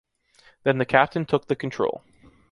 Then the captain took the control.